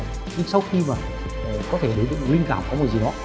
nhưng sau khi mà có thể đối tượng linh cảm có một gì đó